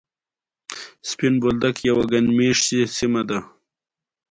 سیند بهېږي.